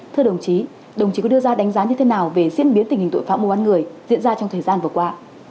thưa đồng chí đồng chí có đưa ra đánh giá như thế nào về diễn biến tình hình tội phạm mua bán người diễn ra trong thời gian vừa qua